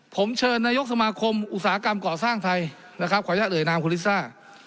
ผมเชิญนายกสมาคมอุตสาหกรรมก่อสร้างไทยนะครับขออนุญาตเอ่ยนามคุณลิซ่า